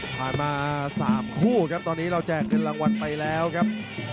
ผ่านมา๓คู่ครับตอนนี้เราแจกเงินรางวัลไปแล้วครับ